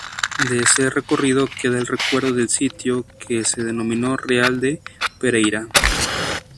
De ese recorrido queda el recuerdo del sitio que se denominó Real de Pereira.